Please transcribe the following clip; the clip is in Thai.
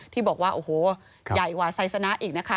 ที่บอกว่าโอ้โหใหญ่กว่าไซสนะอีกนะคะ